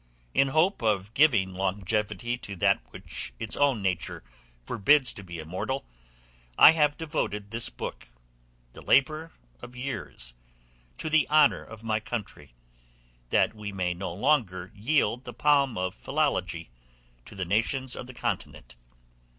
In hope of giving longevity to that which its own nature forbids to be immortal, I have devoted this book, the labor of years, to the honor of my country, that we may no longer yield the palm of philology, without a contest, to the nations of the continent.